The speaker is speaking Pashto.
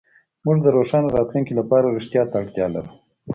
موږ د روښانه راتلونکي لپاره رښتيا ته اړتيا لرو.